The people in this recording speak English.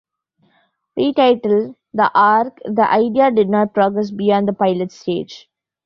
Retitled "The Ark", the idea did not progress beyond the pilot stage.